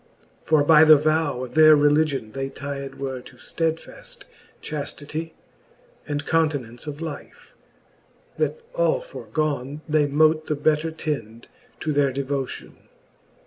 For by the vow of their religion They tied were to ftedfaft chaftity, And continence of life, that all forgon, They mote the better tend to their devotion.